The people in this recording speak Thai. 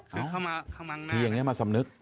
เข้ามาเข้ามาหน้ามีอย่างเงี้ยมาสำนึก